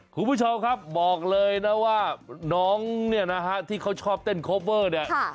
คุณผู้ชมครับบอกเลยนะว่าน้องเนี่ยนะฮะที่เขาชอบเต้นโคเวอร์เนี่ย